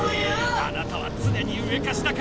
あなたはつねに上か下か。